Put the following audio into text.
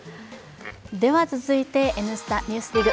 続いて「Ｎスタ・ＮＥＷＳＤＩＧ」。